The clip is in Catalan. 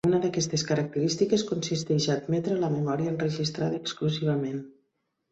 Una d'aquestes característiques consisteix a admetre la memòria registrada exclusivament.